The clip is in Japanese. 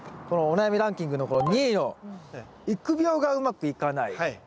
このお悩みランキングのこの２位の「育苗がうまくいかない」。